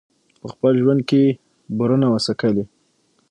په خپل ژوند کي یې بوره نه وه څکلې